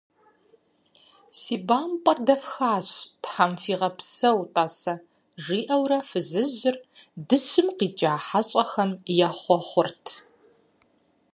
Си бампӀэр дэфхащ, Тхьэм фигъэпсэу, тӀасэ, – жиӀэурэ фызыжьыр дыщым къикӀа хьэщӀэхэм ехъуэхъурт.